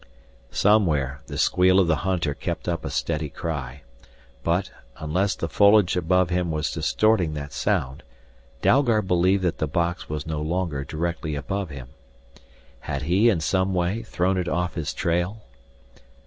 Somewhere the squeal of the hunter kept up a steady cry, but, unless the foliage above him was distorting that sound, Dalgard believed that the box was no longer directly above him. Had he in some way thrown it off his trail?